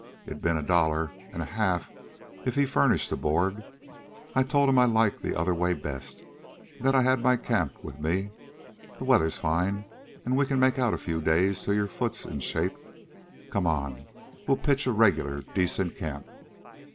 It'd been a dollar an' a half if he furnished the board. I told 'm I liked the other way best, an' that I had my camp with me. The weather's fine, an' we can make out a few days till your foot's in shape. Come on. We'll pitch a regular, decent camp."